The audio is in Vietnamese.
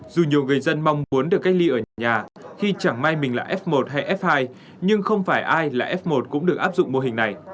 dù nhiều người dân mong muốn được cách ly ở nhà khi chẳng may mình là f một hay f hai nhưng không phải ai là f một cũng được áp dụng mô hình này